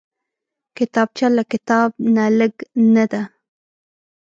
کتابچه له کتاب نه لږ نه ده